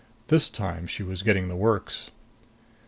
This time she was getting the works....